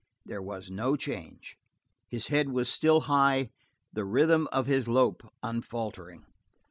There was no change. His head was still high, the rhythm of his lope unfaltering.